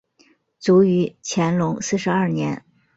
卒于乾隆四十二年。